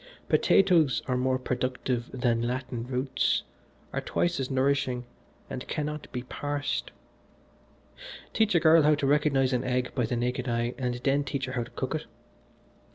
Potatoes are more productive than Latin roots, are twice as nourishing and cannot be parsed. Teach a girl how to recognise an egg by the naked eye, and then teach her how to cook it.